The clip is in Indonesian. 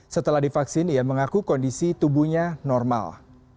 setelah divaksin ia mengaku kondisi tubuhnya normal